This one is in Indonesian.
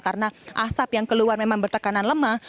karena asap yang keluar memang bertekanan lemah